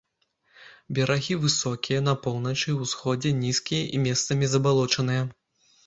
Берагі высокія, на поўначы і ўсходзе нізкія і месцамі забалочаныя.